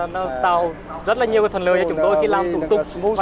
nó tạo rất nhiều thần lời cho chúng tôi khi làm thủ tục